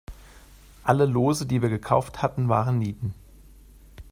Alle Lose, die wir gekauft hatten, waren Nieten.